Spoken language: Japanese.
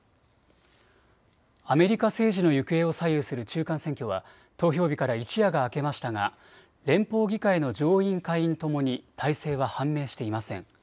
アメリカ政治の行方を左右する中間選挙は投票日から一夜が明けましたが、連邦議会の上院、下院ともに大勢は判明していません。